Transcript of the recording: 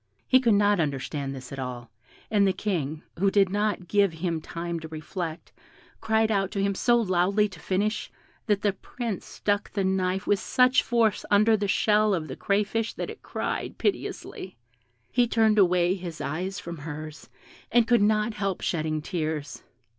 He could not understand this at all, and the King, who did not give him time to reflect, cried out to him so loudly to finish, that the Prince stuck the knife with such force under the shell of the crayfish that it cried piteously; he turned away his eyes from hers, and could not help shedding tears.